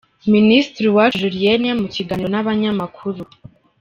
Minisitiri Uwacu julienne mu kiganiro n'abanyamakuru.